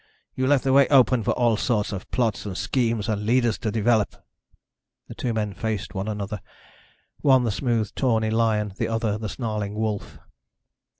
You left the way open for all sorts of plots and schemes and leaders to develop." The two men faced one another, one the smooth, tawny lion, the other the snarling wolf.